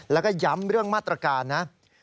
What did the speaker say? แล้วก็ย้ำเรื่องมาตรการนะ